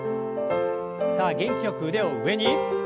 さあ元気よく腕を上に。